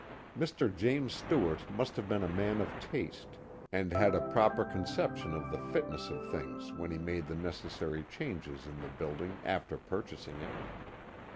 Mr. James Stewart must have been a man of taste, and Had a proper conception of the fitness of things when he made the necessaiy changes in the building after purchasing it.